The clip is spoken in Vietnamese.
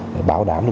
để bảo đảm được